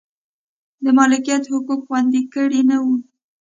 د مالکیت حقوق خوندي کړي نه و.